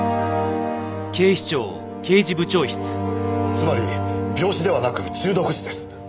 つまり病死ではなく中毒死です。